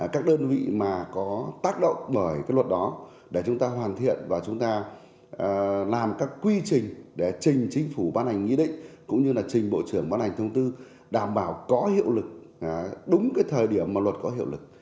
các đơn vị mà có tác động bởi luật đó để chúng ta hoàn thiện và chúng ta làm các quy trình để trình chính phủ bán ảnh nghĩ định cũng như là trình bộ trưởng bán ảnh thông tư đảm bảo có hiệu lực đúng thời điểm mà luật có hiệu lực